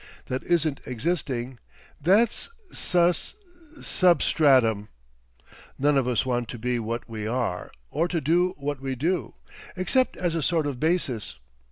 That isn't existing! That's—sus—substratum. None of us want to be what we are, or to do what we do. Except as a sort of basis.